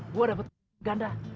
gua dapet ganda